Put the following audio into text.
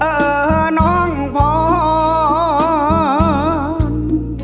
โอ้โฮโอ้โหล่น่าอนอนชมดาวสักที